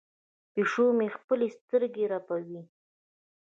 پیشو مې خپلې سترګې رپوي.